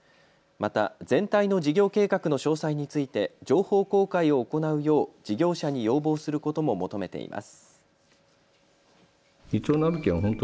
また全体の事業計画の詳細について情報公開を行うよう事業者に要望することも求めています。